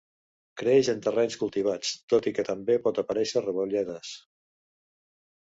Creix en terrenys cultivats, tot i que també pot aparèixer rebolledes.